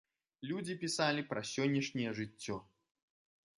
Людзі пісалі пра сённяшняе жыццё.